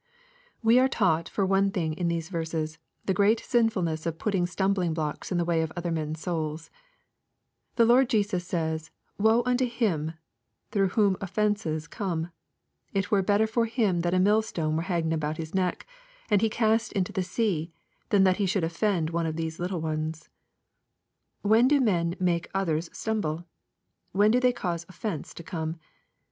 We are taught for one thing in these verses, the great sinfulness of putting stumbling blocks in the way of other men's souls. The Lord Jesus says, " Woe unto him through whom offences come ! It were better for him that a mill stone were hanged about his neck, and he cast into the sea, than that he should offend one of these little ones/' When do men make others stumble ? When do they cause " offences'' to come